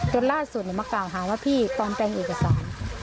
จนล่าสุดมากล่าวหาว่าพี่ก่อนแปลงอีกอักษร